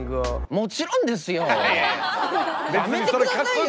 もちろんですよ。